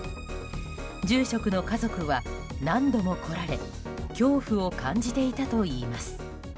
住職の家族は何度も来られ恐怖を感じていたといいます。